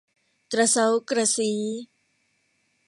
กระเซ้ากระซี้